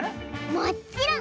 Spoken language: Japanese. もっちろん！